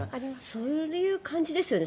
そういう感じですよね。